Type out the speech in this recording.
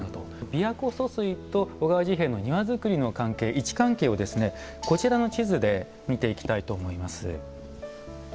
琵琶湖疏水と小川治兵衛の庭づくりの関係位置関係をですねこちらの地図で見ていきたいと思います。